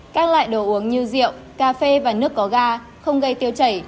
các loại đồ uống như rượu cà phê và nước có ga không gây tiêu chảy